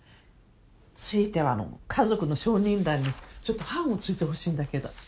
ついてはあの家族の承認欄にちょっと判をついてほしいんだけど。